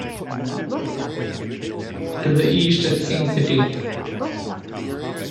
To the east is King City.